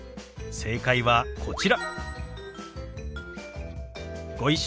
正解はこちら。